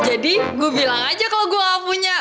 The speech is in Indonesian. jadi gue bilang aja kalau gue nggak punya